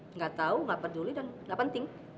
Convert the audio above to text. enggak tahu enggak peduli dan enggak penting